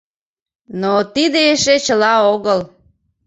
Но тиде эше чыла огыл.